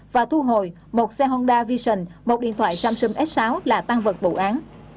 và thu hồi một xe honda vision một điện thoại samsung s sáu là tăng vật vụ án